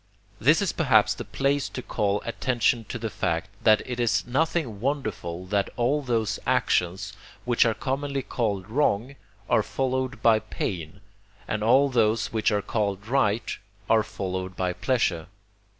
This is perhaps the place to call attention to the fact, that it is nothing wonderful that all those actions, which are commonly called wrong, are followed by pain, and all those, which are called right, are followed by pleasure.